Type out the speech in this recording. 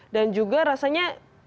dan juga rasanya